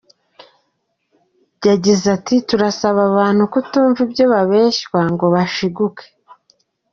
Yagize ati”Turasaba abantu kutumva ibyo babeshywa ngo bashiguke.